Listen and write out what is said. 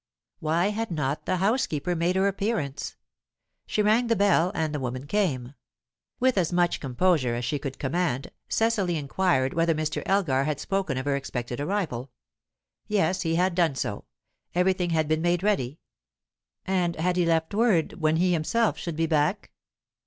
Why had not the housekeeper made her appearance? She rang the bell, and the woman came. With as much composure as she could command, Cecily inquired whether Mr. Elgar had spoken of her expected arrival. Yes, he had done so; everything had been made ready. And had he left word when he himself should be back?